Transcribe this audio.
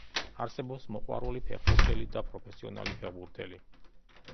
არსებობს მოყვარული ფეხბურთელი და პროფესიონალი ფეხბურთელი.